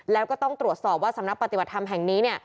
แล้วก็ต้องตรวจสอบว่าสำนักปฏิบัติธรรมแห่งนี้